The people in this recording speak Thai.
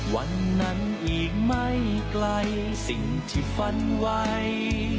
วันนั้นอีกไม่ไกลสิ่งที่ฝันไว้